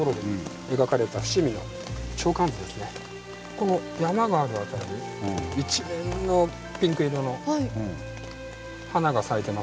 この山がある辺り一面のピンク色の花が咲いてますね。